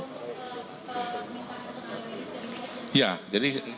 minta pesuli seri keseluruhan